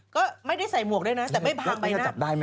ก็ไม่ได้ใส่หมวกด้วยนะแต่ไม่ผ่านไปนะ